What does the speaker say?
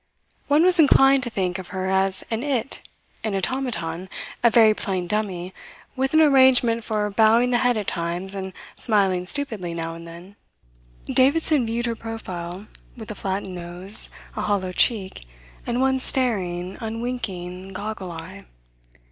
One was inclined to think of her as an It an automaton, a very plain dummy, with an arrangement for bowing the head at times and smiling stupidly now and then. Davidson viewed her profile with a flattened nose, a hollow cheek, and one staring, unwinking, goggle eye.